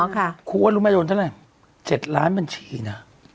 อ๋อค่ะคุณว่ารู้มั้ยโดนเท่าไหร่๗ล้านบัญชีนะ